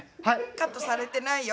カットされてないよ。